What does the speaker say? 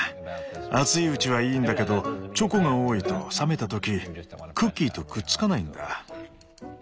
熱いうちはいいんだけどチョコが多いと冷めた時クッキーとくっつかないんだ。